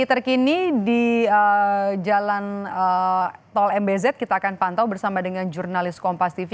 terkini di jalan tol mbz kita akan pantau bersama dengan jurnalis kompas tv